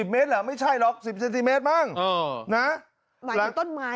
เมตรเหรอไม่ใช่หรอก๑๐เซนติเมตรบ้างนะไหลอยู่ต้นไม้